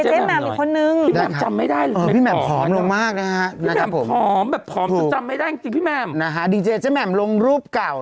ใช่เราก็เป็นแบบว่ารูปในอนาคตหรือเปล่า